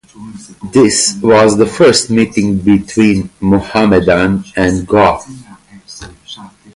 This was the first meeting between Mohammedan and Goa.